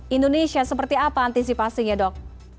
indonesia seperti apa antisipasinya dok